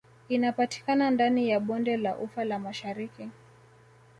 Inapatikana ndani ya Bonde la ufa la Mashariki